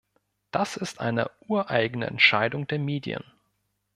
Das ist eine ureigene Entscheidung der Medien.